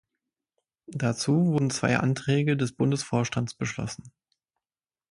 Dazu wurden zwei Anträge des Bundesvorstands beschlossen.